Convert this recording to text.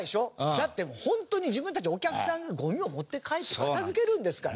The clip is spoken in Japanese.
だって本当に自分たちお客さんがごみを持って帰って片付けるんですから。